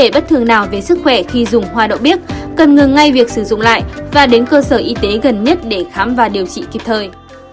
với sức khỏe khi dùng hoa đậu biếc cần ngừng ngay việc sử dụng lại và đến cơ sở y tế gần nhất để khám và điều trị kịp thời